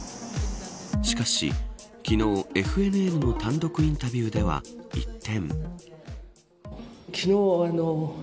しかし、昨日、ＦＮＮの単独インタビューでは一転。